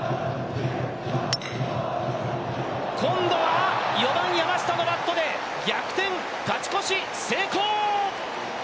今度は４番山下のバットで、逆転勝ち越し成功！